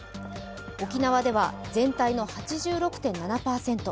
沖縄では全体の８６．７％